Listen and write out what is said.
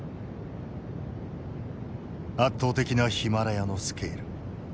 圧倒的なヒマラヤのスケール。